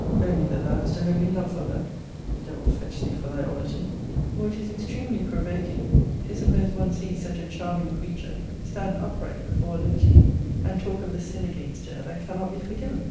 only that thou hast a holy love for her, [the devil fetch thee for thy oddity!] or it is extremely provoking to suppose one sees such a charming creature stand upright before a libertine, and talk of the sin against her, that cannot be forgiven!